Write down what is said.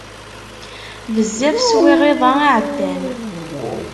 Bezzaf swiɣ iḍ-a iεeddan.